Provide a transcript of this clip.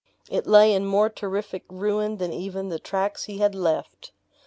It lay in more terrific ruin than even the tracts he had left.